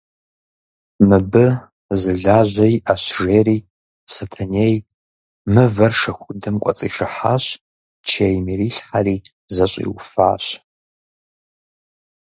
Мыбы зы лажьэ иӏэщ, – жери Сэтэней мывэр шэхудэм кӏуэцӏишыхьащ, чейм ирилъхьэри зэщӏиуфащ.